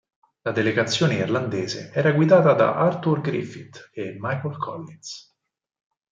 La delegazione irlandese era guidata da Arthur Griffith e Michael Collins.